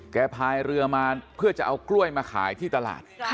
พายเรือมาเพื่อจะเอากล้วยมาขายที่ตลาด